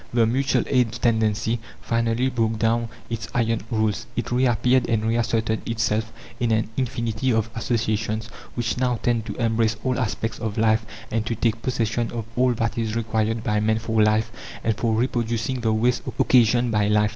The mutual aid tendency finally broke down its iron rules; it reappeared and reasserted itself in an infinity of associations which now tend to embrace all aspects of life and to take possession of all that is required by man for life and for reproducing the waste occasioned by life.